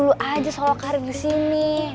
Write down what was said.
udah ji coba dulu aja solo karir di sini